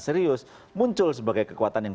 serius muncul sebagai kekuatan yang